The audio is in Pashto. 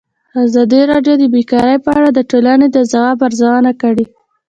ازادي راډیو د بیکاري په اړه د ټولنې د ځواب ارزونه کړې.